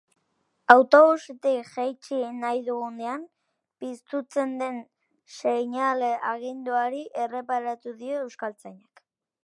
Autobusetik jeitsi nahi dugunean piztutzen den seinale argidunari erreparatu dio euskaltzainak.